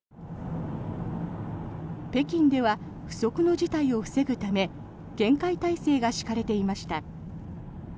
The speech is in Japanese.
北京では不測の事態を防ぐため厳戒態勢が敷かれていました。